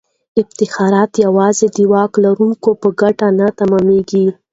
افتخارات یوازې د واک لرونکو په ګټه نه تمامیږي.